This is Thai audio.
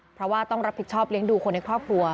เพราะว่าต้องรับผิดชอบเลี้ยงดูคนในครอบครัว